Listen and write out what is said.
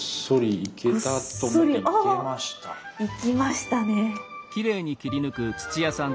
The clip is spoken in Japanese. いきましたね。